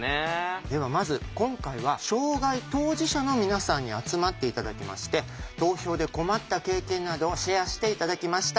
ではまず今回は障害当事者の皆さんに集まって頂きまして投票で困った経験などをシェアして頂きました。